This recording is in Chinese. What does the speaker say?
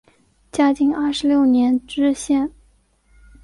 嘉靖二十六年知县。